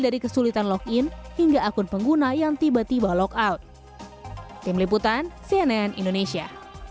dari kesulitan login hingga akun pengguna yang tiba tiba lokout tim liputan cnn indonesia